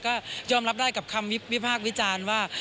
ก็ยอมรับได้กับคำวิพากษ์วิจารณ์ว่า